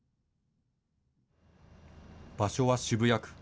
場所は渋谷区。